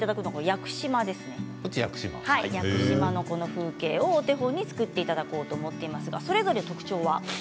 屋久島の風景をお手本に作っていただこうと思っていますがそれぞれの特徴は。